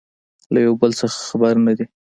له يو بل څخه خبر نه دي